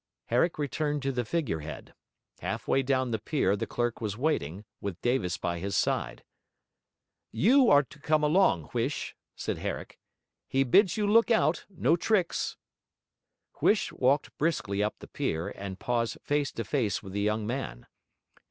Herrick returned to the figure head. Half way down the pier the clerk was waiting, with Davis by his side. 'You are to come along, Huish,' said Herrick. 'He bids you look out, no tricks.' Huish walked briskly up the pier, and paused face to face with the young man.